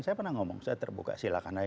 saya pernah ngomong saya terbuka silahkan aja